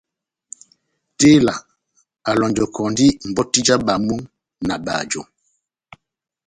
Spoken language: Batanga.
Tela a lonjɔkɔndi mbɔti ja bamo na bajo.